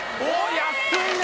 舛安いね！